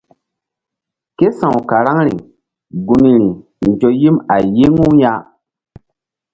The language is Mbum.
Ké sa̧w karaŋri gun ri nzo yim a yi̧ŋu ya.